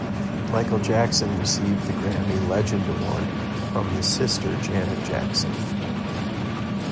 Michael Jackson received the Grammy Legend Award from his sister Janet Jackson.